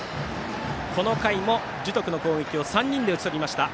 この回も樹徳の攻撃を３人で打ち取りました。